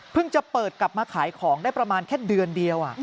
จะเปิดกลับมาขายของได้ประมาณแค่เดือนเดียว